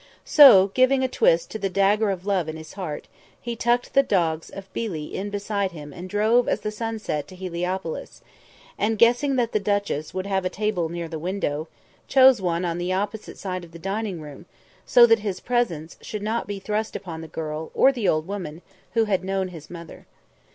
So, giving a twist to the dagger of love in his heart, he tucked the dogs of Billi in beside him and drove as the sun set to Heliopolis, and, guessing that the duchess would have a table near the window, chose one on the opposite side of the dining room, so that his presence should not be thrust upon the girl or the old woman who had known his mother.